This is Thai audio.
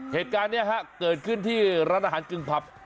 เหตุการณ์นี้เกิดขึ้นที่ร้านอาหารกึ่งผับ